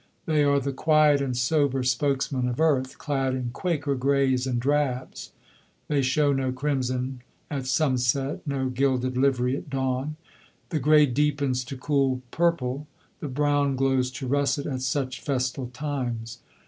They are the quiet and sober spokesmen of earth, clad in Quaker greys and drabs. They show no crimson at sunset, no gilded livery at dawn. The grey deepens to cool purple, the brown glows to russet at such festal times.